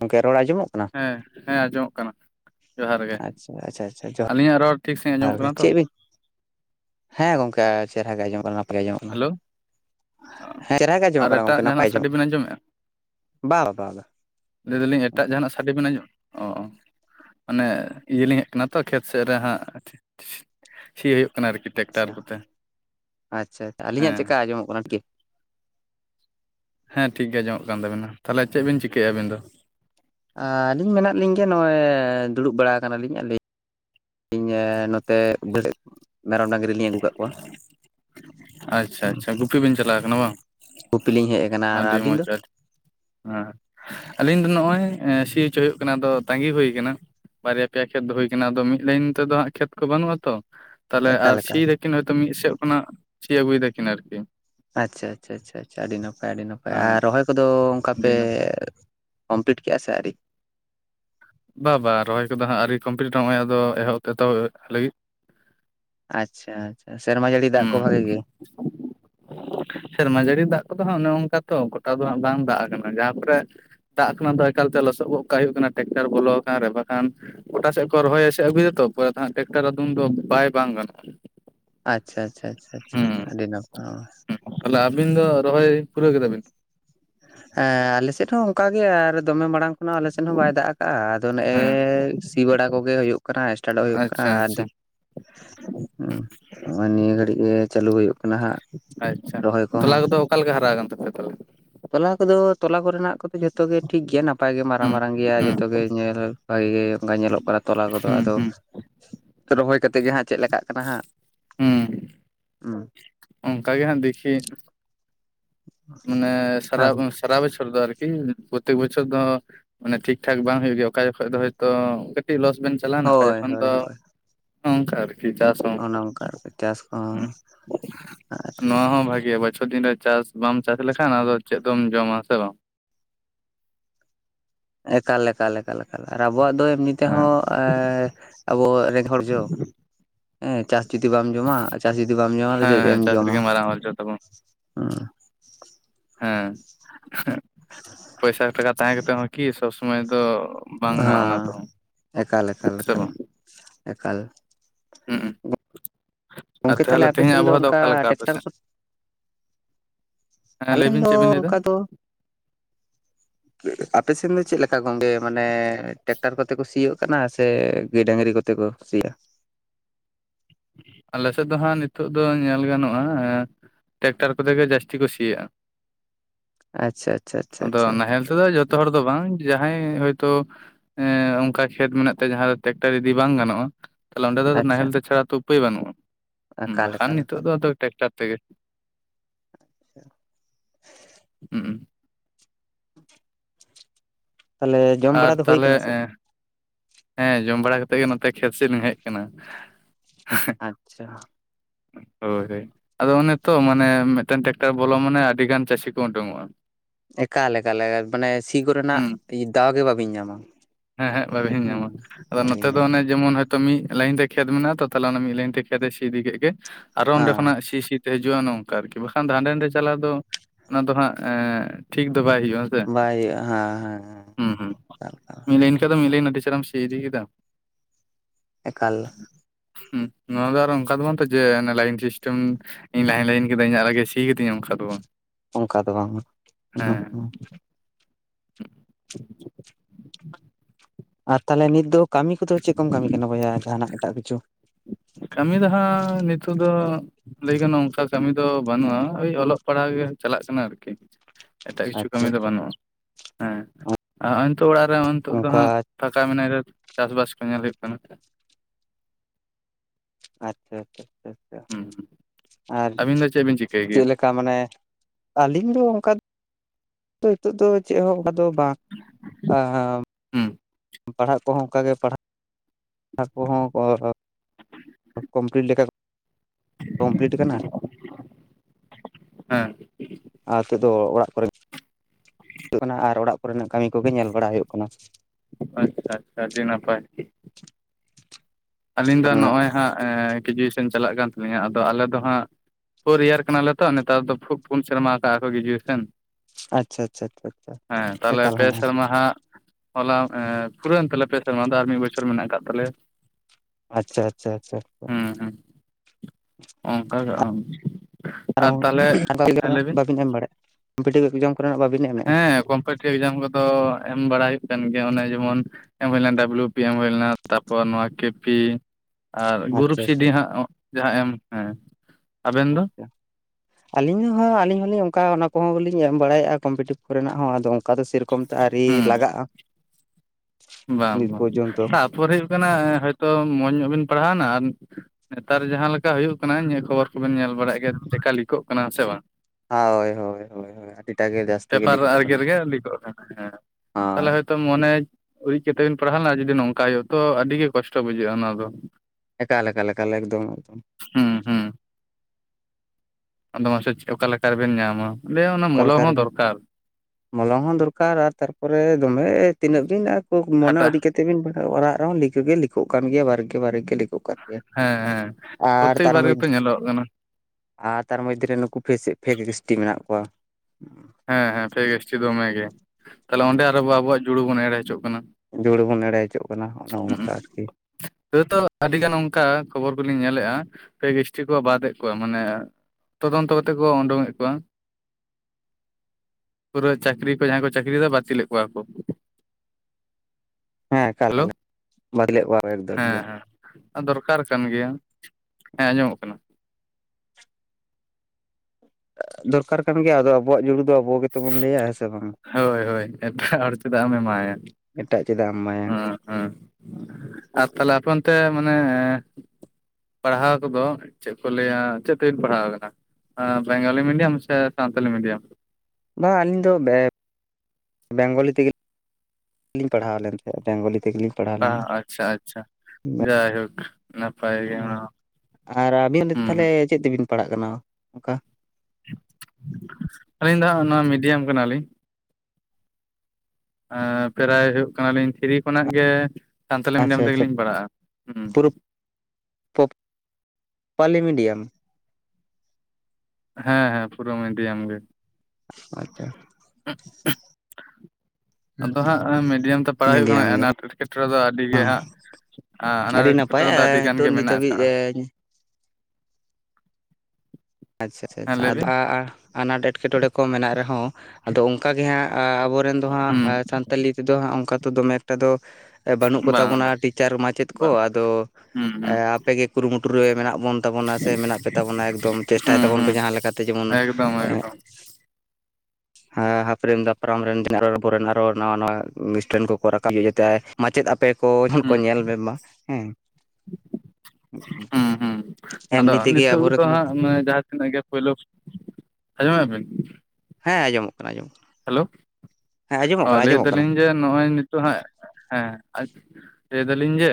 ᱜᱚᱝᱠᱮ ᱨᱚᱲ ᱟᱸᱡᱚᱢᱚᱜ ᱠᱟᱱᱟ᱾ ᱦᱮᱸ ᱦᱮᱸ ᱟᱸᱡᱚᱢᱚᱜ ᱠᱟᱱᱟ ᱡᱚᱦᱟᱨ ᱜᱮ ᱟᱹᱞᱤᱧᱟᱜ ᱨᱚᱲ ᱴᱷᱤᱠ ᱥᱟᱺᱦᱤᱡ ᱦᱟᱨ ᱟᱸᱡᱚᱢᱚᱜ ᱜᱮ ᱠᱟᱱᱟ ᱛᱚ ᱪᱮᱫ ᱵᱤᱱ ᱦᱮᱸ ᱜᱚᱝᱠᱮ ᱪᱮᱨᱦᱟᱜ ᱜᱮ ᱟᱸᱡᱚᱢᱚᱜ ᱠᱟᱱᱟ ᱱᱟᱯᱮ ᱜᱮ ᱟᱸᱡᱚᱢᱚᱜ ᱠᱟᱱᱟ᱾ ᱦᱮᱞᱳ ᱦᱮᱸ ᱪᱮᱦᱮᱨᱟ ᱜᱮ ᱟᱚᱢᱚᱜ ᱟᱨ ᱠᱟᱱᱟ ᱮᱴᱟᱜ ᱜᱚᱝᱠᱮ ᱡᱟᱦᱟᱱᱟᱜ ᱱᱟᱯᱟᱭ ᱥᱟᱰᱮ ᱡᱚᱢᱚᱜᱼᱟ ᱵᱮᱱ ᱟᱸᱡᱚᱢᱮᱫᱼᱟ ᱵᱟᱸ ᱵᱟᱸ ᱵᱟᱸ᱾ ᱞᱟᱹᱭ ᱫᱟᱹᱞᱤᱧ ᱮᱴᱟᱜ ᱡᱟᱦᱟᱱᱟᱜ ᱥᱟᱴᱤ ᱵᱮᱱ ᱟᱡᱚᱢᱚᱜ ᱚ ᱚ᱾ ᱢᱟᱱᱮ ᱤᱭᱟᱹ ᱞᱤᱧ ᱦᱮᱡ ᱠᱟᱱᱟ ᱛᱚ ᱠᱷᱮᱛ ᱥᱮᱫ ᱨᱮ ᱦᱟᱸᱜ᱾ ᱥᱤ ᱦᱩᱭᱩᱜ ᱠᱟᱱᱟ ᱟᱨᱠᱤ ᱴᱮᱠᱴᱟᱨ ᱟᱪᱪᱷᱟ ᱠᱚ ᱛᱮ᱾ ᱟᱪᱪᱷᱟ ᱟᱹᱞᱤᱧᱟᱜ ᱪᱮᱜ ᱠᱟ ᱟᱸᱡᱚᱢᱚᱜ ᱠᱟᱱᱟ ᱟᱨᱠᱤ᱾ ᱦᱮᱸ ᱴᱷᱤᱠ ᱜᱮ ᱟᱡᱚᱢᱚᱜ ᱠᱟᱱ ᱛᱟᱵᱮᱱᱟ ᱛᱟᱦᱞᱮ ᱪᱮᱫ ᱵᱤᱱ ᱪᱤᱠᱟᱹᱭᱭᱟ ᱟᱵᱮᱱ ᱫᱚ᱾ ᱟ ᱞᱤᱧ ᱢᱮᱱᱟᱜ ᱞᱤᱧ ᱜᱮᱭᱟ ᱞᱤᱧ ᱱᱚᱜᱼᱚᱭ ᱫᱩᱲᱩᱵ ᱵᱟᱲᱟ ᱠᱟᱱᱟ ᱞᱤᱧ [unintelligible] ᱤᱧᱟᱹ ᱱᱚᱛᱮ ᱵᱟᱹᱧ ᱥᱮᱜ ᱢᱮᱨᱚᱢ ᱰᱟᱝᱨᱤ ᱞᱤᱧ ᱟᱹᱜᱩ ᱠᱟᱜ ᱠᱚᱣᱟ᱾ ᱟᱪᱪᱷᱟ ᱟᱪᱪᱷᱟ ᱜᱩᱯᱤ ᱵᱤᱱ ᱪᱟᱞᱟᱣ ᱠᱟᱱᱟ ᱵᱟᱝ ᱜᱩᱯᱤ ᱞᱤᱧ ᱦᱮᱡ ᱟᱠᱟᱱᱟ ᱟᱨ ᱟᱰᱤ ᱟᱹᱵᱤᱱ ᱢᱚᱸᱡᱽ ᱫᱚ ᱦᱮᱸ ᱟᱹᱞᱤᱧ ᱫᱚ ᱱᱚᱜᱼᱚᱭ ᱥᱤ ᱦᱚᱪᱚ ᱦᱩᱭᱩᱜ ᱠᱟᱱᱟ ᱟᱫᱚ ᱛᱟᱸᱜᱤ ᱦᱩᱭ ᱠᱟᱱᱟ᱾ ᱵᱟᱨᱭᱟ ᱯᱮᱭᱟ ᱠᱷᱮᱛ ᱫᱚ ᱦᱩᱭ ᱠᱟᱱᱟ ᱟᱫᱚ ᱢᱤᱫ ᱞᱟᱭᱤᱱ ᱛᱮᱫᱚ ᱦᱟᱸᱜ ᱠᱷᱮᱛ ᱠᱚ ᱵᱟᱹᱱᱩᱜ-ᱟ ᱛᱚ᱾ ᱛᱟᱦᱞᱮ ᱮᱠᱟᱞ ᱟᱨ ᱮᱠᱟᱞ ᱥᱤᱭ ᱫᱟᱠᱤᱱ ᱦᱚᱭ ᱛᱚ ᱢᱤᱫ ᱥᱮᱫ ᱠᱷᱚᱱᱟᱜ ᱥᱤ ᱟᱹᱜᱩᱭ ᱫᱟᱠᱤᱱ ᱟᱨᱠᱤ᱾ ᱟᱪᱪᱷᱟ ᱪᱷᱟ ᱪᱷᱟ ᱪᱷᱟ ᱟᱹᱰᱤ ᱱᱟᱯᱟᱭ ᱟᱹᱰᱤ ᱱᱟᱯᱟᱭ ᱟᱨ ᱦᱮᱸ ᱨᱚᱦᱚᱭ ᱠᱚᱫᱚ ᱚᱱᱠᱟ ᱟᱹᱰᱤ ᱯᱮ ᱱᱟᱯᱟᱭ ᱠᱚᱢᱯᱞᱤᱴ ᱠᱮᱼᱟ ᱥᱮ ᱟᱨᱤ ᱵᱟ ᱵᱟ ᱨᱚᱦᱚᱭ ᱠᱚᱫᱚ ᱦᱟᱸᱜ ᱟᱹᱣᱨᱤ ᱠᱚᱢᱯᱞᱤᱴ ᱱᱚᱜᱼᱚᱭ ᱟᱫᱚ ᱮᱦᱚᱵ ᱛᱮᱛᱚ ᱞᱟᱹᱜᱤᱫ ᱟᱪᱪᱷᱟ ᱟᱪᱪᱷᱟ ᱥᱮᱨᱢᱟ ᱡᱟᱹᱲᱤ ᱫᱟᱜᱽ ᱠᱚ ᱦᱩᱸ ᱵᱷᱟᱹᱜᱮ ᱜᱮ [inaudible] ᱥᱮᱨᱢᱟ ᱡᱟᱹᱲᱤ ᱫᱟᱜᱽ ᱠᱚᱫᱚ ᱦᱟᱸᱜ ᱚᱱᱮ ᱚᱱᱠᱟ ᱛᱚ ᱜᱚᱴᱟ ᱫᱚ ᱦᱟᱸᱜ ᱵᱟᱝ ᱫᱟᱜᱽ ᱟᱠᱟᱱᱟ ᱡᱟᱦᱟᱸ ᱠᱚᱨᱮ ᱫᱟᱜᱽ ᱠᱟᱱᱟ ᱫᱚ ᱮᱠᱟᱞᱛᱮ ᱞᱚᱥᱚᱫ ᱜᱚᱫ ᱠᱟᱜ ᱦᱩᱭᱩᱜ ᱠᱟᱱᱟ ᱴᱮᱠᱴᱟᱨ ᱵᱚᱞᱚ ᱟᱠᱟᱱ ᱨᱮ ᱵᱟᱠᱷᱟᱱ ᱜᱚᱴᱟ ᱥᱮᱫ ᱠᱚ ᱨᱚᱦᱚᱭ ᱮᱥᱮᱫ ᱟᱹᱜᱩᱭᱟ ᱛᱚ ᱯᱚᱨᱮ ᱛᱮᱦᱟᱜ ᱴᱮᱠᱴᱟᱨ ᱩᱱ ᱫᱚ ᱵᱟᱭ ᱵᱟᱝ ᱜᱟᱱᱚᱜᱼᱟ ᱟᱪᱪᱷᱟ ᱟᱪᱪᱷᱟ ᱪᱷᱟ ᱪᱷᱟ ᱦᱩᱸ ᱟᱹᱰᱤ ᱱᱟᱯᱟᱭ ᱛᱟᱦᱚᱞᱮ ᱟᱹᱵᱤᱱ ᱫᱚ ᱨᱚᱦᱚᱭ ᱯᱩᱨᱟᱹᱣ ᱠᱮᱫᱟ ᱵᱤᱱ? ᱦᱮᱸ ᱟᱞᱮᱥᱮᱫ ᱦᱚᱸ ᱚᱱᱠᱟ ᱜᱮ ᱟᱨ ᱫᱚᱢᱮ ᱢᱟᱲᱟᱝ ᱠᱷᱚᱱᱟᱜ ᱟᱞᱮᱥᱮᱫ ᱦᱚᱸ ᱵᱟᱭ ᱫᱟᱜᱽ ᱟᱫᱚ ᱦᱮᱸ ᱱᱮᱸᱜᱼᱮᱭ ᱥᱤ ᱵᱟᱲᱟ ᱠᱚᱜᱮ ᱦᱩᱭᱩᱜ ᱠᱟᱱᱟ ᱮᱥᱴᱟᱴᱚᱜ ᱦᱩᱭᱩᱜ ᱠᱟᱱᱟ ᱟᱪᱪᱷᱟ ᱟᱨ ᱟᱪᱪᱷᱟ ᱫᱤ ᱱᱚᱜᱼᱚᱭ ᱱᱤᱭᱟᱹ ᱜᱷᱟᱹᱲᱤᱡᱽ ᱜᱮ ᱪᱟᱹᱞᱩ ᱦᱩᱭᱩᱜ ᱠᱟᱱᱟ ᱦᱟᱸᱜ ᱟᱪᱪᱷᱟ ᱨᱚᱦᱚᱭ ᱛᱚᱞᱟ ᱠᱚᱦᱚᱸ ᱠᱚᱫᱚ ᱚᱠᱟ ᱞᱮᱠᱟ ᱦᱟᱨᱟ ᱟᱠᱟᱱ ᱛᱟᱯᱮᱭᱟ ᱛᱚᱦᱞᱮ ᱛᱚᱞᱟ ᱠᱚᱫᱚ ᱛᱚᱞᱟ ᱠᱚᱨᱮᱱᱟᱜ ᱠᱚᱫᱚ ᱡᱷᱚᱛᱚ ᱜᱮ ᱴᱷᱤᱠ ᱜᱮᱭᱟ ᱱᱟᱯᱟᱭ ᱜᱮ ᱢᱟᱨᱟᱝ ᱦᱩᱸ ᱢᱟᱨᱟᱝ ᱜᱮᱭᱟ ᱦᱩᱸ ᱡᱷᱚᱛᱚ ᱜᱮ ᱧᱮᱞ ᱵᱷᱟᱜᱮ ᱜᱮ ᱚᱱᱠᱟ ᱧᱮᱞᱚᱜ ᱠᱟᱱᱟ ᱛᱚᱞᱟ ᱠᱚᱫᱚ ᱦᱩᱸ ᱟᱫᱚ ᱦᱩᱸ ᱨᱚᱦᱚᱭ ᱠᱟᱛᱮ ᱜᱮ ᱦᱟᱸᱜ ᱪᱮᱫᱞᱮᱠᱟᱜ ᱠᱟᱱᱟ ᱦᱟᱸᱜ ᱦᱩᱸ ᱦᱮᱸ ᱚᱱᱠᱟ ᱜᱮ ᱦᱟᱸᱜ ᱫᱮᱠᱷᱤ ᱢᱟᱱᱮ ᱥᱟᱨᱟ ᱟᱨ ᱥᱟᱨᱟ ᱵᱚᱪᱷᱚᱨ ᱫᱚ ᱟᱨᱠᱤ ᱯᱨᱚᱛᱮᱠ ᱵᱚᱪᱷᱚᱨ ᱫᱚ ᱢᱟᱱᱮ ᱴᱷᱤᱠ ᱴᱷᱟᱠ ᱵᱟᱝ ᱦᱩᱭᱩᱜ ᱜᱮᱭᱟ ᱚᱠᱟ ᱡᱚᱠᱷᱚᱡ ᱫᱚ ᱦᱚᱭᱛᱳ ᱠᱟᱹᱴᱤᱡ ᱞᱚᱥ ᱵᱮᱱ ᱪᱟᱞᱟᱣᱱᱟ ᱚᱠᱟ ᱦᱳᱭ ᱡᱚᱠᱷᱚᱱ ᱦᱳᱭ ᱫᱚ ᱦᱳᱭ ᱚᱝᱠᱟ ᱟᱨᱠᱤ ᱪᱟᱥ ᱦᱚᱸ ᱚᱱᱮ ᱚᱱᱠᱟ ᱟᱨᱠᱤ ᱪᱟᱥ ᱠᱚᱦᱚᱸ ᱟᱨ ᱱᱚᱣᱟ ᱦᱚᱸ ᱵᱷᱟᱜᱮᱭᱟ ᱵᱚᱪᱷᱚᱨ ᱫᱤᱱ ᱨᱮ ᱪᱟᱥ ᱵᱟᱢ ᱪᱟᱥ ᱞᱮᱠᱷᱟᱱ ᱟᱫ ᱪᱮᱫ ᱫᱚᱢ ᱡᱚᱢᱟ ᱥᱮ ᱵᱟᱝ ᱮᱠᱟᱞ ᱮᱠᱟᱞ ᱮᱠᱟᱞ ᱟᱨ ᱟᱵᱚᱣᱟᱜ ᱫᱚ ᱮᱢᱱᱤ ᱦᱮᱸ ᱛᱮᱦᱚᱸ ᱮ ᱟᱵᱚ ᱨᱮᱸᱜ [unintelligible] ᱦᱚᱲ ᱡᱚ ᱦᱮᱸ ᱪᱟᱥ ᱡᱩᱫᱤ ᱵᱟᱢ ᱡᱚᱢᱟ ᱪᱟᱥ ᱡᱩᱫᱤ ᱵᱟᱢ ᱡᱚᱢᱟ ᱦᱮᱸ ᱪᱮᱫ ᱦᱮᱸ ᱮᱢ ᱪᱟᱥ ᱡᱚᱢᱟ? ᱨᱮᱜᱮ ᱢᱟᱨᱟᱝ ᱚᱨᱡᱚ ᱛᱟᱵᱚᱱ ᱦ [unintelligible] ᱦᱮᱸ [inaudible] ᱯᱚᱭᱥᱟ ᱴᱟᱠᱟ ᱛᱟᱦᱮᱸ ᱠᱟᱛᱮ ᱦᱚᱸ ᱠᱤ ᱥᱚᱵᱽ ᱥᱚᱢᱚᱭ ᱫᱚ ᱵᱟᱝ ᱜᱟᱱᱚᱜᱼᱟ ᱚᱱᱟ ᱦᱚᱸ ᱛᱮᱦᱚᱸ ᱮᱠᱟᱞ ᱮᱠᱟᱞ ᱥᱮ ᱮᱠᱟᱞ ᱦᱮᱸ ᱟᱨ ᱜᱚᱝᱠᱮ ᱛᱟᱦᱚᱞᱮ ᱛᱟᱦᱞᱮ ᱟᱯᱮ ᱛᱮᱦᱤᱧ ᱥᱮᱱ ᱟᱵᱚᱦᱟᱣᱟ ᱫᱚ ᱚᱱᱠᱟ ᱚᱠᱟ ᱞᱮᱠᱟ ᱟᱯᱮ ᱴᱮᱠᱴᱟᱨ ᱥᱮᱫ? ᱠᱚ ᱦᱮᱸ ᱟᱞᱮ ᱞᱟᱹᱭ ᱥᱮᱱ ᱵᱤᱱ ᱫᱚ ᱪᱮᱫ ᱵᱤᱱ ᱞᱟᱹᱭᱫᱟ? ᱚᱱᱠᱟ ᱟᱯᱮᱥᱮᱱ ᱫᱚ ᱪᱮᱫ ᱞᱮᱠᱟ ᱜᱚᱝᱠᱮ ᱢᱟᱱᱮ ᱴᱮᱠᱴᱟᱨ ᱠᱚᱛᱮ ᱠᱚ ᱥᱤᱭᱚᱜ ᱠᱟᱱᱟ ᱥᱮ ᱜᱟᱹᱭ ᱰᱟᱹᱝᱨᱤ ᱠᱚᱛᱮ? ᱛᱮᱠᱚ ᱥᱤᱭᱟ ᱟᱞᱮᱥᱮᱫ ᱫᱚ ᱦᱟᱸᱜ ᱱᱤᱛᱳᱜ ᱫᱚ ᱧᱮᱞ ᱜᱟᱱᱚᱜᱼᱟ ᱴᱮᱠᱴᱟᱨ ᱠᱚᱛᱮ ᱜᱮ ᱡᱟᱹᱥᱛᱤ ᱠᱚ ᱥᱤᱭᱟᱜᱼᱟ᱾ ᱟᱪᱪᱷᱟ ᱟᱪᱪᱷᱟ ᱟᱫᱚ ᱟᱪᱪᱷᱟ ᱱᱟᱦᱮᱞ ᱛᱮᱫᱚ ᱡᱚᱛᱚ ᱦᱚᱲ ᱫᱚ ᱵᱟᱝ ᱡᱟᱦᱟᱸᱭ ᱦᱚᱭᱛᱳ ᱮ ᱚᱱᱠᱟ ᱠᱷᱮᱛ ᱢᱮᱱᱟᱜ ᱛᱟᱭ ᱡᱟᱦᱟᱸ ᱫᱚ ᱴᱮᱠᱴᱟᱨ ᱤᱫᱤ ᱵᱟᱝ ᱜᱟᱱᱚᱜᱼᱟ᱾ ᱛᱟᱦᱞᱮ ᱚᱸᱰᱮ ᱫᱚ ᱟᱪᱪᱷᱟ ᱱᱟᱦᱮᱞ ᱫᱚ ᱪᱷᱟᱲᱟ ᱛᱚ ᱩᱯᱟᱹᱭ ᱵᱟᱹᱱᱩᱜᱼᱟ ᱮᱠᱟᱞ ᱵᱟᱠᱷᱟᱱ ᱮᱠᱟᱞ ᱱᱤᱛᱚᱜ ᱮᱠᱟᱞ ᱫᱚ ᱴᱮᱠᱴᱟᱨ ᱛᱮᱜᱮ ᱦᱩ ᱛᱟᱦᱚᱞᱮ ᱡᱚᱢ ᱵᱟᱲᱟ ᱟᱨ ᱫᱚ ᱦᱩᱭ ᱛᱟᱦᱚᱞᱮ ᱠᱟᱱᱟ ᱥᱮ ᱵᱟᱝ ᱦᱮᱸ ᱡᱚᱢ ᱵᱟᱲᱟ ᱠᱟᱛᱮᱫ ᱜᱮ ᱱᱚᱛᱮ ᱠᱷᱮᱛ ᱥᱮᱫ ᱞᱤᱧ ᱦᱮᱡ ᱟᱠᱟᱱᱟ᱾ ᱟᱪᱪᱷᱟ ᱦᱳᱭ ᱦᱳᱭ ᱟᱫᱚ ᱚᱱᱮ ᱛᱚ ᱢᱟᱱᱮ ᱢᱤᱫᱴᱮᱱ ᱴᱨᱟᱠᱴᱟᱨ ᱵᱚᱞᱚ ᱢᱟᱱᱮ ᱟᱹᱰᱤ ᱜᱟᱱ ᱪᱟᱹᱥᱤ ᱠᱚ ᱚᱰᱳᱝᱚᱜᱼᱟ᱾ ᱮᱠᱟᱞ ᱮᱠᱟᱞ ᱢᱟᱱᱮ ᱥᱤ ᱠᱚᱨᱮᱱᱟᱜ ᱦᱩᱸ ᱫᱟᱣ ᱜᱮ ᱵᱟᱹᱵᱤᱱ ᱧᱟᱢᱟ? ᱦᱮᱸ ᱦᱮᱸ ᱵᱟᱹᱜᱤᱧ ᱧᱟᱢᱟ ᱟᱫᱚ ᱵᱟᱵᱤᱱ ᱱᱚᱛᱮ ᱫᱚ ᱧᱟᱢᱟ ᱚᱱᱮ ᱡᱮᱢᱚᱱ ᱛᱚ ᱢᱤᱫ ᱞᱟᱭᱤᱱ ᱛᱮ ᱠᱷᱮᱛ ᱢᱮᱱᱟᱜᱼᱟ ᱛᱚ ᱛᱟᱦᱚᱞᱮ ᱚᱱᱟ ᱢᱤᱫ ᱞᱟᱭᱤᱱ ᱛᱮ ᱠᱷᱮᱛ ᱮ ᱥᱤ ᱤᱫᱤ ᱠᱮᱫ ᱜᱮ ᱟᱨᱚ ᱚᱸᱰᱮ ᱦᱮᱸ ᱠᱷᱚᱱᱟᱜ ᱥᱤ ᱥᱤ ᱦᱤᱡᱩᱜᱼᱟ ᱱᱚᱝᱠᱟ ᱟᱨᱠᱤ ᱵᱟᱠᱷᱟᱱ ᱫᱚ ᱦᱟᱰᱮ ᱱᱟᱰᱮ ᱪᱟᱞᱟᱣ ᱫᱚ ᱚᱱᱟ ᱫᱚ ᱦᱟᱸᱜ ᱮ ᱴᱷᱤᱠ ᱫᱚ ᱵᱟᱭ ᱦᱩᱭᱩᱜᱼᱟ᱾ ᱥᱮ ᱵᱟᱭ ᱦᱩᱭᱩᱜᱼᱟ ᱦᱮᱸ ᱦᱮᱸ ᱱᱤᱱᱠᱟ ᱫᱚ ᱢᱤᱫ ᱞᱟᱭᱤᱱ ᱟᱹᱰᱤ ᱪᱮᱦᱨᱟᱢ ᱥᱤ ᱤᱫᱤ ᱠᱮᱫᱟ᱾ ᱮᱠᱟᱞ ᱦᱩᱸ ᱱᱚᱣᱟ ᱫᱚ ᱟᱨᱚ ᱚᱱᱠᱟ ᱫᱚ ᱵᱟᱝᱛᱚ ᱡᱮ ᱞᱟᱭᱤᱱ ᱥᱤᱥᱴᱮᱢ ᱤᱧ ᱞᱟᱦᱟᱸᱧ ᱞᱟᱭᱤᱤᱱ ᱠᱮᱫᱟ ᱤᱧ ᱟᱜᱮ ᱥᱤ ᱠᱟᱛᱤᱧᱟ ᱚᱱᱠᱟ ᱫᱚ ᱵᱟᱝ ᱚᱱᱠᱟ ᱫᱚ ᱵᱟᱝ ᱦᱮᱸ [inaudible] ᱟᱨ ᱛᱟᱦᱚᱞᱮ ᱱᱤᱛ ᱫᱚ ᱠᱟᱹᱢᱤ ᱠᱚᱫᱚ ᱪᱮᱫ ᱠᱚᱢ ᱠᱟᱹᱢᱤ ᱠᱟᱱᱟ ᱵᱚᱭᱦᱟ ᱡᱟᱦᱟᱱᱟᱜ ᱮᱴᱟᱜ ᱠᱤᱪᱷᱩ ᱠᱟᱹᱢᱤ ᱫᱚ ᱦᱟᱸᱜ ᱱᱤᱛᱳᱜ ᱫᱚ ᱞᱟᱹᱭ ᱜᱟᱱᱚᱜᱼᱟ ᱚᱱᱠᱟ ᱠᱟᱹᱢᱤ ᱫᱚ ᱵᱟᱹᱱᱩᱜᱼᱟ ᱳᱭ ᱚᱞᱚᱜ ᱯᱟᱲᱦᱟᱣ ᱜᱮ ᱪᱟᱞᱟᱜ ᱠᱟᱱᱟ ᱟᱨᱠᱤ ᱮᱴᱟᱜ ᱠᱤᱪᱷᱩ ᱠᱟᱹᱢᱤ ᱟᱪᱪᱷᱟ ᱫᱚ ᱟᱪᱪᱷᱟ ᱵᱟᱹᱱᱩᱜᱼᱟ ᱦᱮᱸ ᱟᱨᱜ ᱱᱚᱜᱼᱚᱭ ᱱᱤᱛᱳᱜ ᱚᱲᱟᱜ ᱨᱮ ᱱᱤᱛᱳᱜ ᱫᱚ ᱦᱟᱸᱜ ᱚᱱᱠᱟ ᱯᱷᱟᱸᱠᱟ ᱢᱮᱱᱟᱭ ᱨᱮ ᱪᱟᱥ-ᱵᱟᱥ ᱠᱚ ᱧᱮᱞ ᱦᱩᱭᱩᱜ ᱠᱟᱱᱟ᱾ ᱟᱪᱪᱷᱟ ᱟᱪᱪᱷᱟ ᱟᱪᱪᱷᱟ ᱦᱩᱸ ᱟᱪᱪᱷᱟ ᱟᱨ ᱟᱹᱵᱤᱱ ᱫᱚ ᱪᱮᱫ ᱵᱤᱱ ᱪᱤᱠᱟᱹᱭ ᱪᱮᱫ ᱜᱮᱭᱟ ᱞᱮᱠᱟ? ᱚᱱᱠᱟ ᱢᱟᱱᱮ ᱟᱹᱞᱤᱧ ᱫᱚ ᱚᱱᱠᱟ ᱛᱚ ᱱᱤᱛᱚᱜ ᱫᱚ ᱪᱮᱫ ᱦᱚᱸ ᱟᱫᱚ ᱵᱟᱝ ᱦᱩᱸ ᱯᱟᱲᱦᱟᱜ ᱠᱚᱦᱚᱸ ᱚᱱᱠᱟᱜᱮ ᱯᱟᱲᱦᱟᱜ ᱠᱚᱦᱚᱸ ᱠᱚᱢᱯᱞᱤᱴ ᱞᱮᱠᱟ ᱠᱚᱢᱯᱞᱤᱴ ᱠᱟᱱᱟ ᱦᱮᱸ [inaudible] ᱟᱫᱚ ᱫᱚ ᱚᱲᱟᱜ ᱠᱚᱨᱮ [unintelligible] ᱟᱨ ᱚᱲᱟᱜ ᱠᱚᱨᱮᱱᱟᱜ ᱠᱟᱹᱢᱤ ᱠᱚᱜᱮ ᱧᱮᱞ ᱵᱟᱲᱟ ᱦᱩᱭᱩᱜ ᱠᱟᱱᱟ ᱟᱪᱪᱷᱟ ᱟᱪᱪᱷᱟ ᱟᱹᱰᱤ ᱱᱟᱯᱟᱭ ᱟᱹᱞᱤᱧ ᱫᱚ ᱠᱚᱨᱮᱱᱟᱜ ᱱᱚᱜᱼᱚᱭ ᱦᱟᱸᱜ ᱜᱨᱮᱡᱩᱭᱮᱥᱚᱱ ᱪᱟᱞᱟᱜ ᱠᱟᱱ ᱛᱟᱹᱞᱤᱧᱟ ᱟᱫᱚ ᱟᱞᱮ ᱫᱚ ᱦᱟᱸᱜ ᱯᱷᱳᱨ ᱤᱭᱟᱨ ᱠᱟᱱᱟᱞᱮ ᱛᱚ ᱱᱮᱛᱟᱨ ᱫᱚ ᱯᱷᱩ ᱯᱩᱱ ᱥᱮᱨᱢᱟ ᱠᱟᱜᱼᱟ ᱠᱚ ᱜᱨᱮᱡᱩᱭᱮᱥᱮᱱ ᱟᱪᱪᱷᱟ ᱟᱪᱪᱷᱟ ᱟᱪᱪᱷᱟ ᱦᱮᱸ ᱛᱟᱦᱞᱮ ᱮᱠᱟᱞ ᱯᱮ ᱦᱮᱸ ᱥᱮᱨᱢᱟ ᱦᱟᱸᱜ ᱦᱚᱞᱟ ᱯᱩᱨᱟᱹᱣ ᱮᱱ ᱛᱟᱞᱮ ᱯᱮ ᱥᱮᱨᱢᱟ ᱫᱚ ᱟᱨ ᱢᱤᱫ ᱵᱚᱪᱷᱚᱨ ᱢᱮᱱᱟᱜ ᱟᱠᱟᱫ ᱛᱟᱞᱮᱭᱟ ᱟᱪᱪᱷᱟ ᱟᱪᱪᱷᱟ ᱟᱪᱪᱷᱟ ᱦᱩᱸ ᱦᱩᱸ ᱚᱱᱠᱟ ᱜᱮ [unintelligible] ᱟᱨ ᱛᱟᱦᱚᱞᱮ ᱦᱮᱸ ᱞᱟᱹᱭ ᱵᱤᱱ ᱵᱟᱵᱤᱱ ᱮᱢ ᱵᱟᱲᱟᱭᱟᱜᱼᱟ ᱠᱚᱢᱯᱮᱴᱤᱵᱷ ᱮᱠᱡᱟᱢ ᱠᱚᱨᱮᱱᱟᱜ ᱵᱟᱵᱤᱱ ᱮᱢᱮᱜᱼᱟ [unintelligible] ᱮᱠᱡᱟᱢ ᱠᱚᱫᱚ ᱮᱢ ᱵᱟᱲᱟᱟᱭ ᱦᱩᱭᱩᱜ ᱠᱟᱱ ᱜᱮᱭᱟ ᱚᱱᱮ ᱡᱮᱢᱚᱱ ᱮᱢ ᱦᱩᱭ ᱞᱮᱱᱟ ᱰᱟᱵᱞᱳ ᱵᱤ ᱯᱤ ᱮᱢ ᱦᱩᱭ ᱞᱮᱱᱟ ᱛᱟᱯᱚᱨ ᱱᱚᱣᱟ ᱠᱮ ᱯᱤ ᱟᱨ ᱜᱨᱩᱯ ᱟᱪᱪᱷᱟ ᱥᱤ ᱰᱤ ᱟᱪᱪᱷᱟ ᱦᱟᱸᱜ ᱡᱟᱦᱟᱸ ᱮᱢ ᱦᱮᱸ ᱟᱵᱮᱱ ᱫᱚ [unintelligible] ᱟᱹᱞᱤᱧ ᱦᱚᱸ ᱟᱹᱞᱤᱧ ᱦᱚᱸᱞᱤᱧ ᱚᱱᱠᱟ ᱚᱱᱟ ᱠᱚᱦᱚᱸᱞᱤᱧ ᱮᱢ ᱵᱟᱲᱟᱭᱮᱫᱼᱟ ᱠᱚᱢᱯᱤᱴᱤᱵᱽ ᱠᱚᱨᱮ ᱱᱟᱜ ᱦᱚᱸ ᱟᱫᱚ ᱥᱮᱨᱚᱠᱚᱢ ᱛᱮ ᱟᱹᱣᱨᱤ ᱦᱩᱸ ᱞᱟᱜᱟᱜᱼᱟ ᱵᱟᱝ ᱱᱤᱛ ᱵᱟᱝ ᱯᱚᱨᱡᱚᱱᱛᱚ ᱛᱟᱨᱯᱚᱨ ᱦᱩᱭᱩᱜ ᱠᱟᱱᱟ ᱦᱳᱭᱛᱚ ᱢᱚᱸᱡᱽ ᱧᱚᱜ ᱵᱤᱱ ᱯᱟᱲᱦᱟᱣᱱᱟ ᱟᱨ ᱱᱮᱛᱟᱨ ᱡᱟᱦᱟᱸ ᱞᱮᱠᱟ ᱦᱩᱭᱩᱜ ᱠᱟᱱᱟ ᱤᱧᱟᱹᱜ ᱠᱷᱚᱵᱚᱨ ᱠᱚᱵᱮᱱ ᱧᱮᱞ ᱵᱟᱲᱟᱭᱮᱫ ᱜᱮᱭᱟ ᱪᱮᱫᱠᱟ ᱞᱤᱠᱚᱜ ᱠᱟᱱᱟ ᱥᱮ ᱵᱟᱝ ᱦᱟ ᱦᱳᱭ ᱦᱳᱭ ᱦᱳᱭ ᱟᱰᱤ ᱴᱟᱜ ᱜᱮ ᱡᱟᱥᱛᱤ ᱯᱮᱯᱟᱨ ᱟᱨᱜᱮ ᱨᱮᱜᱮ ᱞᱤᱠᱚᱜ ᱠᱟᱱᱟ ᱦᱮᱸ ᱛᱟᱦᱚᱞᱮ ᱦᱳᱭ ᱛᱚ ᱢᱚᱱᱮ ᱩᱨᱤᱡ ᱠᱟᱛᱮ ᱵᱤᱱ ᱯᱟᱲᱦᱟᱣ ᱞᱮᱱᱟ ᱟᱨ ᱡᱩᱫᱤ ᱱᱚᱝᱠᱟ ᱦᱩᱭᱩᱜᱼᱟ ᱛᱚ ᱟᱹᱰᱤ ᱜᱮ ᱠᱚᱥᱴᱚ ᱵᱩᱡᱷᱟᱹᱜᱼᱟ ᱚᱱᱟ ᱫᱚ ᱮᱠᱟᱞ ᱮᱠᱟᱞ ᱮᱠᱟᱞ ᱮᱠᱫᱚᱢ ᱦᱩᱸ ᱦᱩᱸ ᱟᱫᱚ ᱢᱟᱥᱮ ᱪᱮᱫ ᱚᱠᱟ ᱞᱮᱠᱟ ᱨᱮᱵᱮᱱ ᱧᱟᱢᱟ ᱞᱮᱭ ᱚᱱᱟ ᱚᱠᱟ ᱢᱚᱞᱚᱝ ᱞᱮᱠᱟ ᱦᱚᱸ ᱨᱮᱵᱤᱱ ᱫᱚᱨᱠᱟᱨ ᱢᱚᱞᱚᱝ ᱦᱚᱸ ᱫᱚᱨᱠᱟᱨ ᱟᱨ ᱛᱟᱨᱯᱚᱨᱮ ᱫᱚᱢᱮ ᱛᱤᱱᱟᱹᱜ ᱫᱤᱱ ᱢᱚᱱᱮ ᱦᱟᱴᱟᱜ ᱩᱨᱤᱡ ᱠᱟᱛᱮ ᱛᱮ ᱵᱤᱱ ᱯᱟᱲᱦᱟᱜ ᱵᱟᱲᱟᱜ ᱨᱮᱦᱚᱸ ᱞᱤᱠᱚ ᱜᱮ ᱞᱤᱠᱚᱜ ᱠᱟᱱ ᱜᱮᱭᱟ ᱵᱟᱨᱮᱠᱮ ᱵᱟᱨᱮᱠᱮ ᱞᱤᱠᱚᱜ ᱠᱟᱱ ᱜᱮᱭᱟ ᱦᱮᱸ ᱦᱮᱸ ᱟᱨ ᱯᱨᱚᱛᱮᱠ ᱛᱟᱨ ᱵᱟᱨ ᱜᱮᱛᱚ ᱢᱚᱫᱽᱫᱷᱮ ᱧᱮᱞᱚᱜᱚᱜ ᱠᱟᱱᱟ ᱟᱨ ᱛᱟᱨ ᱢᱚᱫᱽᱫᱷᱮ ᱨᱮ ᱱᱩᱠᱩ ᱯᱷᱮᱥ ᱯᱷᱮᱠ ᱮᱥᱴᱤ ᱢᱮᱱᱟᱜ ᱠᱚᱣᱟ ᱦᱮᱸ ᱦᱮᱸ ᱯᱷᱮᱠ ᱮᱥᱴᱤ ᱫᱚᱢᱮ ᱜᱮ ᱛᱟᱦᱚᱞᱮ ᱚᱸᱰᱮ ᱟᱨᱚ ᱟᱵᱚᱣᱟᱜ ᱡᱩᱲᱩ ᱵᱚᱱ ᱮᱲᱮ ᱦᱚᱪᱚᱜ ᱠᱟᱱᱟ ᱡᱩᱲᱩ ᱵᱚᱱ ᱮᱲᱮ ᱦᱚᱪᱚᱜ ᱠᱟᱱᱟ ᱚᱱᱮ ᱚᱱᱠᱟ ᱟᱨᱠᱤ ᱛᱟᱹᱣ ᱛᱚ ᱟᱹᱰᱤᱜᱟᱱ ᱚᱱᱠᱟ ᱠᱷᱚᱵᱚᱨ ᱠᱚᱞᱤᱧ ᱧᱮᱞᱮᱫᱼᱟ ᱯᱷᱮᱠ ᱮᱥᱴᱤ ᱠᱚ ᱵᱟᱫ ᱮᱫ ᱠᱚᱣᱟ ᱢᱟᱱᱮ ᱛᱚᱫᱚᱱᱛᱚ ᱠᱟᱛᱮ ᱠᱚ ᱩᱰᱩᱝ-ᱮᱫ ᱠᱚᱣᱟ ᱯᱩᱨᱟᱹ ᱪᱟᱹᱠᱨᱤ ᱠᱚ ᱡᱟᱦᱟᱸᱭ ᱠᱚ ᱪᱟᱹᱠᱨᱤᱭᱫᱟ ᱵᱟᱹᱛᱤᱞᱮᱫ ᱠᱚᱣᱟ ᱠᱚ ᱦᱮᱸ ᱮᱠᱟᱞ ᱦᱮᱞᱳ ᱵᱟᱛᱤᱞ ᱮᱫ ᱠᱚᱭᱟ ᱠᱚ ᱮᱠᱫᱚᱢ ᱦᱮᱸ ᱮᱠᱫᱚᱢ ᱫᱚᱨᱠᱟᱨ ᱠᱟᱱ ᱜᱮᱭᱟ ᱦᱮᱸ ᱟᱸᱡᱚᱢᱚᱜ ᱠᱟᱱᱟ ᱫᱚᱨᱠᱟᱨ ᱠᱟᱱ ᱜᱮᱭᱟ ᱟᱫᱚ ᱟᱵᱚᱣᱟᱜ ᱡᱩᱲᱤ ᱫᱚ ᱟᱵᱚ ᱜᱮᱛᱚᱵᱚᱱ ᱞᱟᱹᱭᱟ ᱦᱮᱸ ᱥᱮ ᱵᱟᱝ ᱦᱳᱭ ᱦᱳᱭ ᱮᱴᱟᱜ ᱦᱚᱲ ᱪᱮᱫᱟᱜ ᱮᱢ ᱮᱢᱟᱭᱟ ᱮᱴᱟᱜ ᱪᱮᱫᱟᱜ ᱮᱢ ᱢᱟᱭᱟ ᱦᱮᱸ ᱟᱨ ᱛᱟᱦᱚᱞᱮ ᱟᱯᱮ ᱚᱱᱛᱮ ᱢᱟᱱᱮ- ᱯᱟᱲᱦᱟᱣ ᱠᱚᱫᱚ ᱪᱮᱫ ᱠᱚ ᱞᱟᱹᱭᱟ ᱪᱮᱫ ᱛᱮᱵᱤᱱ ᱯᱟᱲᱦᱟᱣ ᱟᱠᱟᱱᱟ ᱵᱮᱜᱟᱞᱤ ᱢᱤᱰᱤᱭᱟᱢ ᱥᱮ ᱥᱟᱱᱛᱟᱞᱤ ᱢᱤᱰᱤᱭᱟᱢ ᱵᱟᱝ ᱟᱹᱞᱤᱧ ᱫᱚ [unintelligible] ᱵᱮᱝᱜᱚᱞᱤ ᱛᱮᱜᱮ ᱞᱤᱧ ᱯᱟᱲᱦᱟᱣ ᱞᱮᱱ ᱛᱟᱦᱮᱸᱫ ᱵᱮᱝᱜᱚᱞᱤ ᱛᱮᱜᱮ ᱟᱪᱪᱷᱟ ᱟᱪᱪᱷᱟ ᱡᱟᱭᱦᱳᱠ ᱱᱟᱯᱟᱭ ᱜᱮ ᱚᱱᱟᱦᱸ ᱟᱨ ᱟᱹᱵᱤᱱ ᱫᱚ ᱛᱟᱦᱚᱞᱮ ᱪᱮᱫ ᱛᱮᱵᱤᱱ ᱯᱟᱲᱟᱜ ᱠᱟᱱᱟ ᱚᱱᱠᱟ? ᱟᱹᱞᱤᱧ ᱫᱚ ᱦᱟᱸᱜ ᱱᱚᱣᱟ ᱢᱤᱰᱤᱭᱟᱢ ᱠᱟᱱᱟᱞᱤᱧ ᱯᱨᱮᱨᱟᱭ ᱦᱩᱭᱩᱜ ᱠᱟᱱᱟᱞᱤᱧ ᱛᱨᱤ ᱠᱷᱚᱱᱟᱜ ᱜᱮ ᱥᱟᱱᱛᱟᱞᱤ ᱢᱤᱰᱤᱭᱟᱢ ᱟᱪᱪᱷᱟ ᱟᱪᱪᱷᱟ ᱛᱮᱜᱮᱞᱤᱧ ᱯᱟᱲᱦᱟᱜᱼᱟ ᱦᱸ ᱯᱩᱨᱟᱹ ᱯᱟᱞᱤ ᱢᱤᱰᱤᱭᱟᱢ ᱦᱮᱸ ᱦᱮᱸ ᱯᱩᱨᱟᱹ ᱢᱤᱰᱤᱭᱟᱢ ᱜᱮ ᱟᱪᱪᱷᱟ ᱦᱮᱸ ᱟᱫᱚ ᱦᱟᱸᱜ ᱢᱤᱰᱤᱭᱟᱢ ᱛᱮ ᱯᱟᱲᱦᱟᱜ ᱦᱩᱭᱩᱜ ᱠᱟᱱᱟ ᱢᱤᱰᱤᱭᱟᱢ ᱜᱮ ᱟᱱᱟᱴᱠᱮᱛᱨᱮ ᱫᱚ ᱟᱹᱰᱤ ᱜᱮ ᱦᱟᱸᱜ ᱟᱨ ᱵᱟᱝ? ᱚᱱᱟᱨᱮ ᱟᱹᱰᱤ ᱴᱴᱠᱮᱴᱮ ᱱᱟᱯᱟᱭ ᱫᱚ ᱟᱹᱰᱤ ᱜᱟᱱ ᱜᱮ ᱱᱤᱛᱚᱜ ᱱᱤᱛ ᱢᱮᱱᱟᱜ ᱦᱟᱹᱵᱤᱡ ᱟᱠᱟᱜᱼᱟ ᱟᱪᱪᱷᱟ ᱦᱮᱸ ᱞᱟᱹᱭ ᱵᱤᱱ ᱟᱪᱪᱷᱟᱷᱟ ᱟᱱᱟᱴ ᱮᱸᱴᱠᱮᱴᱚᱬᱮ ᱠᱚ ᱢᱮᱱᱟᱜ ᱨᱮᱦᱚᱸ ᱟᱫᱚ ᱚᱱᱠᱟᱟᱜ ᱜᱮ ᱦᱟᱸᱜ ᱟᱵᱚᱮᱱ ᱫᱚ ᱦᱟᱸᱜ ᱦᱩᱸ ᱥᱟᱱᱛᱟᱞᱤ ᱛᱮᱫᱚ ᱦᱟᱸᱜ ᱚᱱᱠᱟ ᱫᱚ ᱫᱚᱢᱮ ᱮᱠᱴᱟ ᱫᱚ ᱵᱟᱹᱱᱩᱜ ᱠᱚᱛᱟ ᱵᱟᱝ ᱵᱚᱱᱟ ᱵᱟᱝ ᱴᱤᱪᱟᱨ ᱢᱟᱪᱮᱫ ᱠᱚ ᱵᱟᱝ ᱟᱫᱚ ᱦᱩᱸ ᱦᱩᱸ ᱟᱯᱮᱜ ᱜᱮ ᱠᱩᱨᱩᱢᱩᱴᱩᱨ ᱨᱮ ᱢᱮᱱᱟᱜ ᱵᱚᱱ ᱛᱟᱵᱚᱱᱟ ᱥᱮ ᱢᱮᱱᱟᱜ ᱯᱮ ᱛᱟᱵᱚᱱᱟ ᱮᱠᱫᱚᱢ ᱪᱮᱥᱴᱟ ᱛ ᱦᱩᱸ ᱛᱟᱵᱚᱱ ᱦᱩᱸ ᱯᱮ ᱡᱟᱦᱟᱸ ᱞᱮᱠᱟ ᱛᱮ ᱡᱮᱢᱚᱱ ᱮᱠᱫᱚᱢ [inaudible] ᱦᱮ ᱦᱟᱯᱨᱢ ᱫᱟᱯᱨᱟᱢ ᱨᱮᱱ ᱟᱵᱚᱨᱮᱱ ᱟᱨᱚ ᱱᱟᱣᱟ ᱱᱟᱣᱟ ᱮᱴᱮᱱ ᱠᱚᱠᱚ ᱨᱟᱠᱟᱵ ᱦᱩᱭᱩᱜ ᱡᱟᱛᱮ ᱢᱟᱪᱮᱫ ᱟᱯᱮ ᱠᱚ ᱠᱚ ᱦᱩᱸ ᱧᱮᱞ ᱢᱟ ᱦᱮᱸ ᱦᱩᱸ ᱦᱩᱸ ᱟᱫᱚ ᱮᱢᱱᱤ ᱛᱮᱜᱮ ᱱᱤᱛᱳ ᱟᱵᱚᱨᱮᱱ ᱫᱚ ᱦᱟᱸᱜ ᱢᱟᱱᱮ ᱡᱟᱦᱟᱸ ᱛᱤᱱᱟᱹᱜ ᱜᱮ ᱯᱳᱭᱞᱳ ᱟᱸᱡᱚᱢᱮᱫ ᱵᱤᱱ ᱦᱮᱸ ᱟᱸᱡᱚᱢᱚᱜ ᱠᱟᱱᱟ ᱟᱸᱡᱚᱢ ᱠᱟᱱᱟ ᱦᱮᱞᱳ ᱦᱮᱸ ᱚ ᱟᱸᱡᱚᱢᱚᱜ ᱠᱟᱱᱟ ᱞᱟᱹᱭ ᱮ ᱟᱸᱡᱚᱢᱚᱜ ᱠᱟᱱᱟ ᱫᱟᱞᱤᱧ ᱡᱮ ᱱᱚᱜᱼᱚᱭ ᱱᱤᱛᱳ ᱦᱟᱸᱜ ᱦᱮᱸ ᱞᱟᱹᱭ ᱫᱟᱞᱤᱧ ᱡᱮ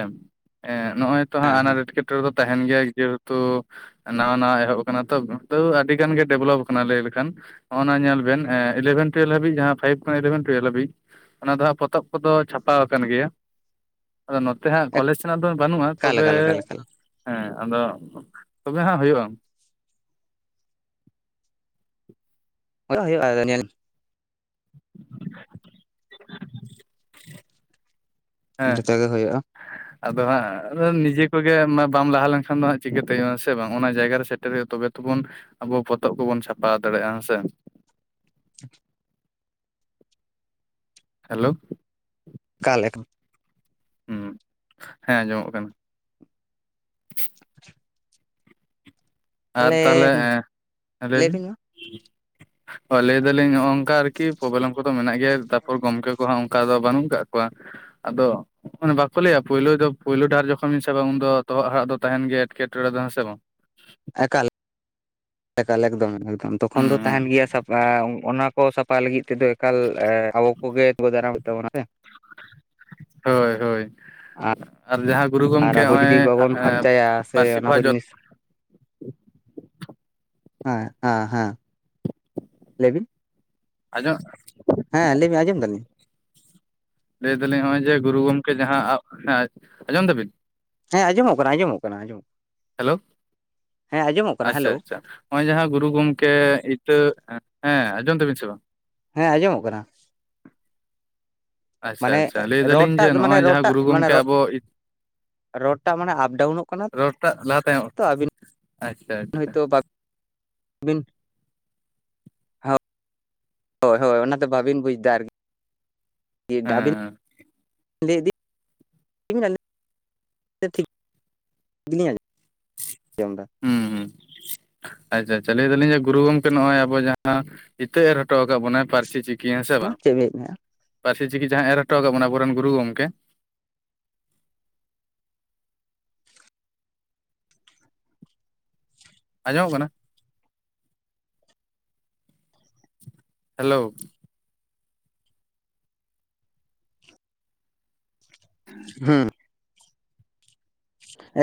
ᱱᱚᱜᱚᱭ ᱚ ᱦᱮᱸ ᱦᱮᱸ ᱟᱱᱟᱴ ᱮᱴᱠᱮᱴᱬᱮ ᱫᱚ ᱛᱟᱦᱮᱱ ᱜᱮᱭᱟ ᱡᱮᱦᱮᱛᱩ ᱱᱟᱶᱟ ᱱᱟᱣᱟ ᱮᱦᱚᱵ ᱟᱠᱟᱱᱟ ᱛᱚ ᱟᱹᱰᱤ ᱜᱟᱱ ᱜᱮ ᱰᱮᱵᱷᱞᱚᱯ ᱟᱠᱟᱱᱟ ᱞᱟᱹᱭ ᱞᱮᱠᱷᱟᱱ ᱚᱱᱟ ᱧᱮᱞ ᱵᱮᱱ ᱤᱞᱮᱵᱷᱮᱱ ᱴᱩᱭᱮᱞ ᱦᱟᱹᱵᱤᱡ ᱡᱟᱦᱟᱸ ᱯᱷᱟᱭᱤᱵ ᱠᱷᱚᱱ ᱤᱞᱮᱵᱷᱮᱱ ᱴᱩᱭᱮᱞ ᱦᱵᱤᱡ ᱚᱱᱟ ᱫᱚ ᱦ ᱯᱚᱛᱚᱵ ᱠᱚᱫᱚ ᱪᱷᱟᱯᱟ ᱟᱠ ᱜᱮᱭᱟ ᱟᱫᱚ ᱛᱮ ᱦᱟᱸᱜ ᱠᱚᱞᱮᱡᱽ ᱨᱮᱱᱟᱜ ᱫᱚ ᱵᱟᱹᱱᱩᱜᱼᱟ ᱮᱠᱟᱞ ᱛᱚᱵᱮ ᱮᱠᱟᱞ ᱮᱠᱟᱞ ᱮᱠᱟᱞ ᱦᱮᱸ ᱟᱫᱚ ᱛᱚᱵᱮ ᱦᱟᱜ ᱦᱩᱭᱩᱜᱼᱟ ᱦᱩᱭᱩᱜᱼᱟ ᱧᱮᱞ ᱦᱮᱸ ᱡᱚᱛᱚ ᱜᱮ ᱦᱩᱭᱩᱜᱼᱟ ᱟᱫᱚ ᱦᱟᱸᱜ ᱱᱤᱡᱮ ᱠᱚᱜᱮ ᱵᱟᱢ ᱞᱟᱦᱟ ᱞᱮᱱᱠᱷᱟᱱ ᱫᱚ ᱦᱟᱸᱜ ᱪᱤᱠᱟᱹᱛᱮᱼᱟ ᱥᱮ ᱵᱟᱝ ᱚᱱᱟ ᱡᱟᱭᱜᱟ ᱨᱮ ᱛᱚᱵᱮ ᱛᱵᱚᱱ ᱟᱵᱚ ᱯᱚᱛᱚᱵ ᱠᱚᱵᱚᱱ ᱪᱷᱟᱯᱟ ᱫᱟᱲᱮᱭᱟᱜᱼᱟ ᱦᱮᱸᱥᱮ [inaudible] ᱦᱮᱞᱳ ᱠᱟᱞᱠᱷ ᱦᱮᱸ ᱟᱸᱡᱚᱢᱚᱜ ᱠᱟᱱᱟ [inaudible] ᱟᱨ ᱛᱟᱦᱚᱞᱮ ᱞᱟᱹᱭ ᱵᱤᱱ ᱞᱟᱹᱭᱵᱤᱱ ᱢᱟ ᱚ ᱞᱟᱹᱭᱫᱟᱞᱤᱧ ᱱᱚᱜᱼᱚ ᱱᱚᱝᱠᱟ ᱟᱨᱠᱤ ᱯᱨᱚᱵᱞᱮᱢ ᱠᱚᱫᱚ ᱢᱮᱱᱟᱜ ᱜᱮᱭᱟ ᱛᱟᱯᱚᱨ ᱜᱚᱝᱠᱮ ᱠᱚᱦᱟᱸᱜ ᱚᱱᱠᱟ ᱫᱚ ᱵᱟᱹᱱᱩᱜ ᱟᱠᱟᱟᱜ ᱠᱚᱣᱟ ᱟᱫᱚ ᱟᱱᱮ ᱵᱟᱠᱚ ᱞᱟᱹᱭᱟ ᱯᱳᱭᱞᱳ ᱫᱚ ᱯᱳᱭᱞᱳ ᱰᱟᱦᱟᱨ ᱡᱚᱠᱷᱚᱱᱧ ᱥᱮ ᱵᱟᱝ ᱩᱱ ᱫᱚ ᱛᱚᱦᱚᱜ ᱦᱟᱲᱟᱜ ᱫᱚ ᱛᱟᱦᱮᱱ ᱜᱮᱭᱟ ᱮᱴᱠᱮᱴᱚᱬᱮ ᱫᱚ ᱦᱮᱸ ᱵᱟᱝ [inaudible] ᱮᱠᱟᱞ ᱮᱠᱟᱞ ᱮᱠᱫᱚᱢ ᱮᱠᱫᱚᱢ ᱛᱚᱠᱷᱚᱱ ᱦᱩᱸ ᱫᱚ ᱦᱩᱸ ᱛᱟᱦᱮᱱ ᱜᱤᱭᱟ ᱥᱟᱯᱟᱯ ᱚᱱᱟ ᱠᱚ ᱥᱟᱯᱷᱟ ᱞᱟᱹᱜᱤᱫ ᱛᱮᱫᱚ ᱮᱠᱟᱞ ᱟᱵᱚ ᱠᱚᱜᱮ ᱠᱚ ᱫᱟᱨᱟᱢ ᱠᱮᱵᱚᱱᱟ ᱥᱮ ᱦᱳᱭ ᱦᱳᱭ ᱟᱨ ᱡᱟᱦᱟᱸ ᱜᱩᱨᱩ ᱟᱨ ᱜᱚᱝᱠᱮ ᱟᱵᱚ ᱦᱚᱜᱼᱚᱭ ᱡᱩᱫᱤ ᱟᱹᱜ ᱵᱟᱵᱚᱱ ᱮᱸ ᱯᱷᱟᱨᱪᱟᱭᱟ ᱯᱟᱹᱨᱥᱤ ᱥᱮ ᱚᱱᱟ ᱯᱚᱦᱟ ᱠᱚ ᱡᱚᱛ ᱡᱤᱱᱤᱥ ᱦᱮᱸ ᱟᱸ ᱦᱮᱸ ᱞᱮᱵᱤᱱ ᱟᱸᱡᱚᱢᱚᱜ ᱦᱮᱸ ᱞᱮᱭ ᱢᱮ ᱟᱸᱡᱚᱢ ᱫᱟᱞᱤᱧ ᱞᱟᱹᱭ ᱫᱟᱹᱞᱤᱧ ᱦᱚᱜᱼᱚᱭ ᱡᱮ ᱜᱩᱨᱩ ᱜᱚᱢᱠᱮ ᱡᱟᱦᱟᱸ ᱟᱵ ᱟᱸᱡᱚᱢ ᱫᱟᱹᱵᱤᱱ ᱦᱮᱸ ᱟᱸᱚᱢᱚᱜ ᱠᱟᱱᱟ ᱟᱸᱡᱚᱢᱚᱜ ᱠᱟᱱᱟ ᱟᱸᱚᱢᱚᱜ ᱠᱟᱱᱟ ᱦᱮᱞᱳ ᱟᱪᱪᱷᱟ ᱦᱮᱞᱳ ᱟᱪᱪᱷᱟ ᱦᱚᱜᱼᱚᱭ ᱡᱟᱦᱟᱸ ᱜᱩᱨᱩ ᱜᱚᱢᱠᱮ ᱤᱛᱟᱹ ᱮᱸ ᱟᱸᱡᱚᱢ ᱛᱟᱵᱤᱱ ᱥᱮ ᱵᱟᱝ ᱦᱮᱸ ᱟᱸᱡᱚᱢᱚᱜ ᱠᱟᱱᱟ ᱟᱪᱪᱷᱟ ᱢᱟᱱᱮ ᱟᱪᱪᱷᱟ ᱞᱟᱹᱭ ᱫᱟᱞᱤᱧ ᱡᱮ ᱨᱚᱴᱟᱜ ᱢᱟᱱᱮ ᱱᱚᱜᱼᱚᱭ ᱡᱟᱦᱟᱸ ᱨᱚᱴᱟᱜ ᱜᱩᱨᱩ ᱢᱟᱱᱮ ᱜᱚᱢᱠᱮ ᱨᱚ ᱟᱵᱚ ᱨᱚᱰ ᱴᱟᱜ ᱢᱟᱱᱮ ᱟᱯᱰᱟᱣᱩᱱᱚᱜ ᱠᱟᱱᱟ ᱨᱚᱲᱴᱟᱜ ᱞᱟᱦᱟ ᱛᱟᱭᱚᱢ ᱛᱚ ᱟᱹᱵᱤᱱ ᱟᱪᱪᱷᱟ ᱟᱪᱪᱷᱟ ᱦᱳᱭᱛᱚ ᱵᱟ ᱵᱤᱱ ᱦᱳᱭ ᱦᱳᱭ ᱚᱱᱟᱛᱮ ᱵᱟᱹᱵᱤᱱ ᱵᱩᱡᱽᱫᱟ ᱟᱨᱠᱤ [unintelligible] ᱫᱟᱵᱤᱱ ᱦᱮᱸ ᱞᱮᱭᱫᱤᱱ [unintelligible] ᱴᱷᱤᱠ ᱜᱤᱞᱤᱧ ᱟᱸᱡᱚᱢ ᱮᱫᱟ ᱦᱩᱸ ᱦᱩᱸ ᱟᱪᱪᱷᱟ ᱟᱪᱷᱟ ᱞᱮᱭ ᱫᱟᱹᱞᱤᱧ ᱡᱮ ᱜᱩᱨᱩ ᱜᱚᱝᱠᱮ ᱱᱚᱜᱼᱚᱭ ᱟᱵᱚᱭᱟᱜ ᱡᱟᱦᱟᱸ ᱤᱛᱟᱹ ᱮᱨ ᱦᱚᱴᱚ ᱠᱟᱜ ᱵᱚᱱᱟᱭ ᱯᱟᱹᱨᱥᱤ ᱪᱤᱠᱤ ᱠᱤ ᱦᱮᱸᱥᱮ ᱢᱟ ᱵᱟᱝ ᱪᱮᱫ ᱵᱤᱱ ᱞᱟᱹᱭᱮᱫ ᱯᱟᱹᱨᱥᱤ ᱪᱤᱠᱤ ᱡᱟᱸᱦᱟᱭ ᱮᱨ ᱦᱚᱴᱚᱠᱟᱜ ᱵᱚᱱᱟ ᱟᱵᱚᱨᱮᱱ ᱜᱩᱨᱩ ᱜᱚᱝᱠᱮ ᱟᱸᱡᱚᱢᱚᱜ ᱠᱟᱱᱟ ᱦᱮᱞᱳ ᱦᱩᱸ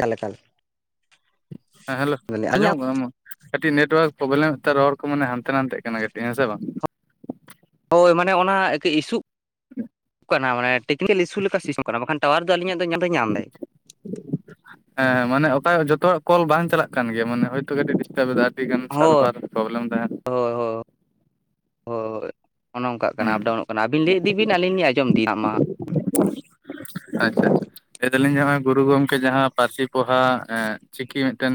ᱮᱲ ᱞᱮᱠᱟᱞ ᱦᱮᱸ ᱦᱮᱞᱳ ᱟᱹᱞᱤᱧᱟᱜ ᱟᱸᱡᱚᱢᱚᱜ ᱠᱟᱱᱟ ᱢᱟ ᱠᱟᱹᱴᱤᱡ ᱱᱮᱴᱣᱟᱨᱠ ᱯᱚᱵᱽᱞᱮᱢ ᱮᱛᱮᱜ ᱨᱚᱲ ᱠᱚ ᱢᱟᱱᱮ ᱦᱟᱱᱛᱮ ᱱᱟᱛᱮᱜ ᱠᱟᱱᱟ ᱠᱟᱹᱴᱤᱜ ᱦᱮᱸ ᱥᱮ ᱵᱟᱝ ᱦᱳᱭ ᱢᱟᱱᱮ ᱚᱱᱟ ᱠᱤᱡ ᱤᱥᱩᱜ [inaudible] ᱠᱟᱱᱟ ᱢᱟᱱᱮ ᱴᱮᱠᱱᱤᱠᱮᱞ ᱤᱥᱩ ᱞᱮᱠᱟ ᱥᱤᱥᱚᱜ ᱠᱟᱱᱟ ᱵᱟᱠᱷᱟᱱ ᱴᱟᱣᱟᱨ ᱫᱚ ᱟᱞᱤᱧᱟᱜ ᱫᱚ ᱧᱟᱢ ᱫᱟᱭ ᱧᱟᱢ ᱫᱟᱭ ᱦᱮᱸ ᱢᱟᱱᱮ ᱚᱠᱟ ᱡᱚᱛᱚᱣᱟᱜ ᱠᱚᱞ ᱵᱟᱝ ᱪᱟᱞᱟᱜ ᱠᱟᱱ ᱜᱮᱭᱟ ᱢᱟᱱᱮ ᱦᱳᱭᱛᱳ ᱠᱟᱹᱴᱤᱡ ᱰᱤᱥᱴᱟᱵᱽ ᱮᱫᱟ ᱟᱹᱰᱤᱜᱟᱱ ᱦᱳᱭ ᱥᱟᱨᱵᱷᱟᱨ ᱯᱨᱚᱵᱞᱮᱢ ᱛᱟᱦᱮᱸᱱ ᱦᱳᱭ ᱚᱱᱮ ᱚᱝᱠᱟᱜ ᱠᱟᱱᱟ ᱦᱩᱸ ᱟᱯᱰᱟᱣᱩᱱᱚᱜ ᱠᱟᱱᱟ ᱟᱹᱵᱤᱱ ᱞᱮ ᱤᱫᱤ ᱵᱤᱱ ᱟᱹᱞᱤᱧ ᱞᱤᱧ ᱟᱸᱡᱚᱢ ᱤᱫᱤ ᱦᱟᱸᱜ ᱢᱟ ᱟᱪᱪᱷᱟ ᱟᱪᱪᱷᱟ ᱞᱮᱭ ᱫᱟᱞᱤᱧ ᱡᱮ ᱦᱚᱜᱼᱚᱭ ᱜᱩᱨᱩ ᱜᱚᱝᱠᱮ ᱡᱟᱦᱟᱸ ᱯᱟᱹᱨᱥᱤ ᱯᱚᱦᱟ ᱮᱸᱜ ᱪᱤᱠᱤ ᱢᱤᱜᱴᱮᱱ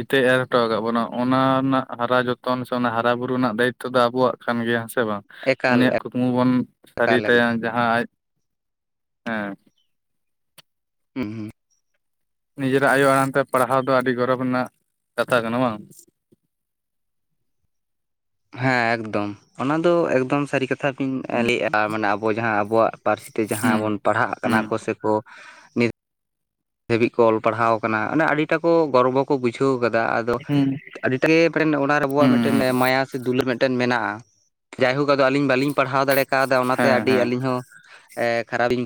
ᱤᱛᱟᱹᱭ ᱮᱨ ᱦᱚᱴᱚ ᱠᱟᱜ ᱵᱚᱱᱟ ᱚᱱᱟ ᱨᱮᱱᱟᱜ ᱦᱟᱨᱟ ᱡᱚᱛᱚᱱ ᱥᱮ ᱚᱱᱟ ᱦᱟᱨᱟ ᱵᱩᱨᱩ ᱱᱟᱜ ᱫᱟᱭᱤᱛ ᱱᱤᱛᱚᱜ ᱫᱚ ᱟᱵᱚᱣᱟᱜ ᱠᱟᱱ ᱜᱮᱭᱟ ᱦᱮᱸ ᱥᱮ ᱵᱟᱝ ᱮᱠᱟᱞ ᱩᱱᱤᱭᱟᱜ ᱠᱩᱠᱢᱩ ᱵᱚᱱ ᱥᱟᱹᱨᱤ ᱮᱠᱟᱞ ᱛᱟᱭᱟ ᱮᱠᱫᱚᱢ ᱡᱟᱦᱟᱸ ᱟᱡ ᱦᱮᱸ ᱦᱩᱸ ᱦᱩᱸ ᱱᱤᱡᱮᱨᱟᱜ ᱟᱭᱳ ᱟᱲᱟᱝ ᱛᱮ ᱯᱟᱲᱦᱟᱣ ᱫᱚ ᱟᱹᱰᱤ ᱜᱚᱨᱚᱵᱽ ᱨᱮᱱᱟᱜ ᱠᱟᱛᱷᱟ ᱠᱟᱱᱟ ᱵᱟᱝ ᱦᱮᱸ ᱮᱠᱫᱚᱢ ᱚᱱᱟ ᱫᱚ ᱮᱠᱫᱚᱢ ᱥᱟᱹᱨᱤ ᱠᱟᱛᱷᱟ ᱠᱤᱱ ᱦᱩᱸ ᱞᱮᱭᱮᱜᱼᱟ ᱢᱟᱱᱮ ᱟᱵᱚ ᱡᱟᱦᱟᱸ ᱟᱵᱚᱣᱟᱜ ᱯᱟᱹᱨᱥᱤ ᱛᱮ ᱡᱟᱦᱟᱸ ᱦᱩᱸ ᱵᱚᱱ ᱯᱟᱲᱦᱟᱜ ᱠᱟᱱᱟ ᱦᱩᱸ ᱠᱚ ᱥᱮᱠᱚ ᱱᱤᱛ ᱫᱷᱟᱹᱵᱤᱡ ᱠᱚ ᱚᱞ ᱯᱟᱲᱦᱟᱣ ᱠᱟᱱᱟ ᱟᱱᱟ ᱟᱹᱰᱤ ᱴᱟᱠᱚ ᱜᱚᱨᱵᱚ ᱠᱚ ᱵᱩᱡᱷᱟᱹᱣ ᱠᱟᱫᱟ ᱟᱫᱚ ᱦᱩᱸ ᱟᱹᱰᱤᱴᱟᱜᱮ ᱯᱮᱱ ᱚᱱᱟ ᱨᱮ ᱟᱵᱚᱣᱟᱜ ᱦᱩᱸ ᱢᱤᱴᱮᱫᱴᱮᱱ ᱢᱟᱭᱟ ᱥᱮ ᱫᱩᱞᱟᱹᱲ ᱢᱮᱫᱴᱮᱱ ᱢᱮᱱᱟᱜᱼᱟ ᱡᱟᱭᱦᱳᱠ ᱟᱫᱚ ᱟᱞᱤᱧ ᱵᱟᱞᱤᱧ ᱯᱟᱲᱦᱟᱣ ᱫᱟᱲᱮ ᱠᱟᱣᱫᱟ ᱚᱱᱟᱛᱮ ᱦᱮᱸ ᱟᱹᱰᱤ ᱦᱮᱸ ᱟᱞᱤᱧ ᱦᱚᱸ ᱮ ᱠᱷᱟᱨᱟᱯᱤᱧ